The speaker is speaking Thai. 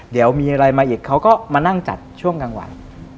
เดี๋ยวมีอะไรมาอีกเขาก็มานั่งจัดช่วงกลางวัน